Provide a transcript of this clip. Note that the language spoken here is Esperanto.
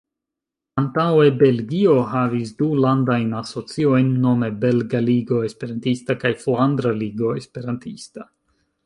Antaŭe Belgio havis du Landajn Asociojn, nome Belga Ligo Esperantista kaj Flandra Ligo Esperantista.